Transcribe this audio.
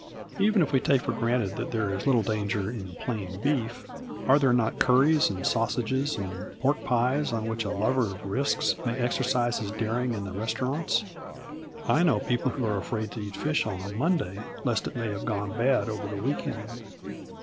Even if we take for granted that there is little danger in plain beef, are there not curries and sausages and pork pies on which a lover of risks may exercise his daring in the restaurants? I know people who are afraid to eat fish on a Monday lest it may have gone bad over the week end.